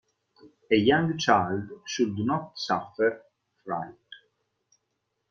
A young child should not suffer fright.